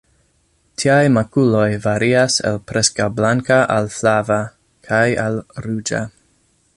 Tiaj makuloj varias el preskaŭ blanka al flava, kaj al ruĝa.